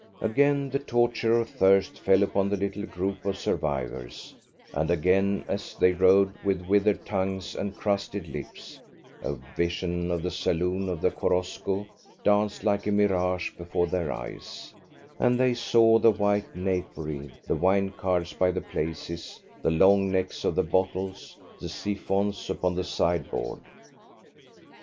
Again the torture of thirst fell upon the little group of survivors, and again, as they rode with withered tongues and crusted lips, a vision of the saloon of the Korosko danced like a mirage before their eyes, and they saw the white napery, the wine cards by the places, the long necks of the bottles, the siphons upon the sideboard.